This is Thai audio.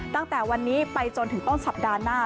ตั้งแต่วันนี้ไปจนถึงต้นสัปดาห์หน้า